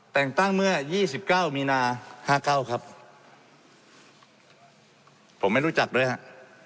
แต่งตั้งเมื่อยี่สิบเก้ามีนาห้าเก้าครับผมไม่รู้จักด้วยฮะ